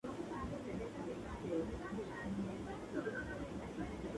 Sus actividades científicas incidieron en la taxonomía de la familia de Malvaceae.